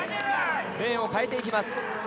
レーンを変えていきます。